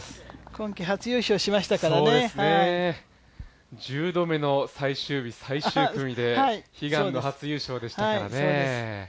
今季、初優勝しましたからね１０度目の最終日、最終組で悲願の初優勝でしたからね。